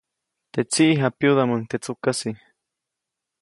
Teʼ tsiʼ japyudäʼmuŋ teʼ tsukäsi.